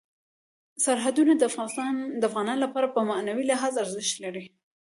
سرحدونه د افغانانو لپاره په معنوي لحاظ ارزښت لري.